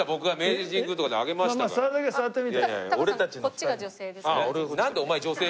こっちが女性です。